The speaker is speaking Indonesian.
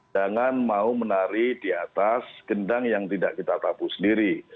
jangan mau menari di atas gendang yang tidak kita tabu sendiri